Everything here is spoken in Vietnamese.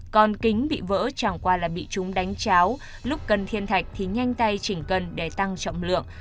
còn kính bị vỡ chẳng qua là bị chúng đánh cháo lúc cần thiên thạch thì nhanh tay chỉnh cân để tăng trọng lượng